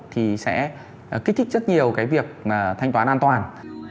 thì sẽ kích thích rất nhiều cái việc mà thanh toán an toàn